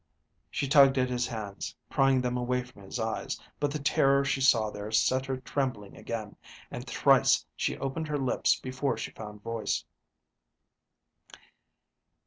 She tugged at his hands, prying them away from his eyes; but the terror she saw there set her trembling again and thrice she opened her lips before she found voice.